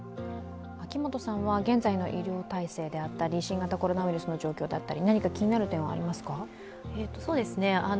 現在の医療体制であったり、新型コロナの状況だったり、何か気になる点はありますか？